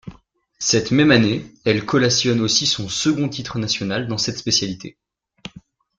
Cette même année, elle collationne aussi son second titre national dans cette spécialité.